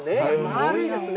丸いですね。